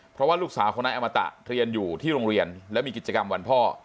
เพราะว่าลูกสาวของนายอมตะเรียนอยู่ที่โรงเรียนและมีกิจกรรมวันพ่อ